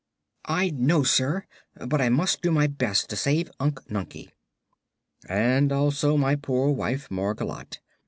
"I know it, sir; but I must do my best to save Unc Nunkie." "And also my poor wife Margolotte.